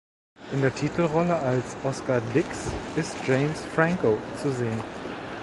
In der Titelrolle als Oscar Diggs ist James Franco zu sehen.